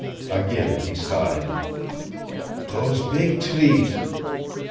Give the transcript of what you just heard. Again he sighed. "Dose beeg trees!